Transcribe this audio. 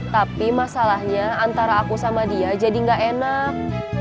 tapi masalahnya antara aku sama dia jadi gak enak